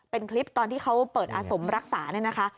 เป็นคลิปตอนที่เขาเปิดอาสมรักษาเนี่ยนะคะ